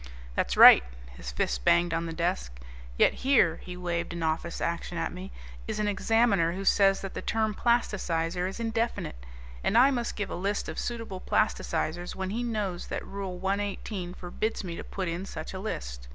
"That's right." His fist banged on the desk. "Yet here," he waved an Office Action at me, "is an Examiner who says that the term 'plasticizer' is indefinite, and I must give a list of suitable plasticizers when he knows that Rule 118 forbids me to put in such a list.